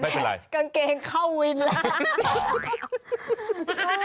แต่กางเกงเข้าวินล่ะ